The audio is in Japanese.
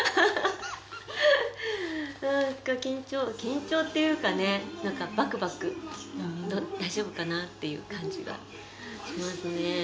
なんか緊張、緊張っていうかね、なんか、ばくばく、大丈夫かな？っていう感じがしますね。